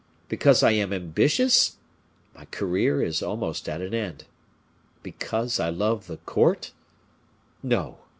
Because I am ambitious? my career is almost at an end. Because I love the court? No.